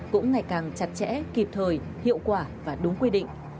cũng ngày càng chặt chẽ kịp thời hiệu quả và đúng quy định